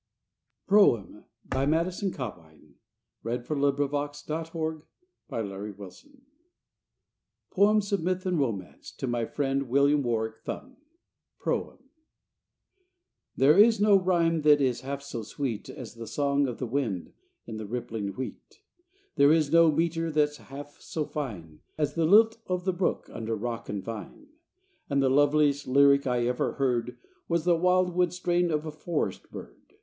ess at tryst Dead dreams, dead hopes, dead loves, and dead desires. POEMS OF MYTH AND ROMANCE TO MY FRIEND WILLIAM WARWICK THUM PROEM _There is no rhyme that is half so sweet As the song of the wind in the rippling wheat; There is no metre that's half so fine As the lilt of the brook under rock and vine; And the loveliest lyric I ever heard Was the wildwood strain of a forest bird.